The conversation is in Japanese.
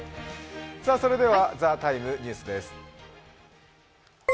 「ＴＨＥＴＩＭＥ，」ニュースです。